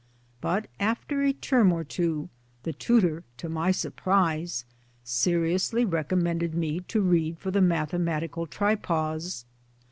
But after a term or two the tutor to my surprise seriously recommended me to read for the mathe matical tripos.